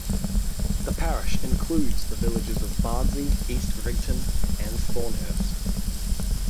The parish includes the villages of Bardsey, East Rigton and Thornhurst.